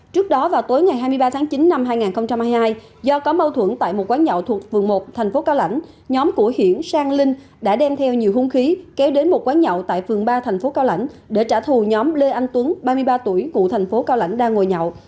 trước đó vào tối ngày hai mươi ba tháng chín năm hai nghìn hai mươi hai do có mâu thuẫn tại một quán nhậu thuộc phường một thành phố cao lãnh nhóm của hiển sang linh đã đem theo nhiều hung khí kéo đến một quán nhậu tại phường ba thành phố cao lãnh để trả thù nhóm lê anh tuấn ba mươi ba tuổi ngụ thành phố cao lãnh đang ngồi nhậu